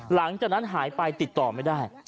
หลังจากนั้นหายไปติดต่อไม่ได้